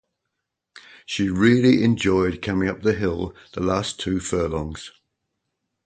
She really enjoyed coming up the hill the last two furlongs.